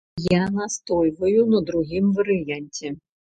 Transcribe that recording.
Я настойваю на другім варыянце.